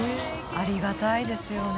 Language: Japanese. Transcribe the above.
ありがたいですよね